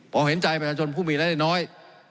เพราะเห็นใจประชาชนผู้มีรายละเอียดน้อย